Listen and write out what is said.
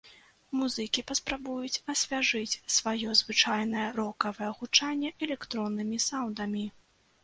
Музыкі паспрабуюць асвяжыць сваё звычайнае рокавае гучанне электроннымі саўндамі.